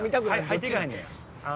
入っていかへんねや。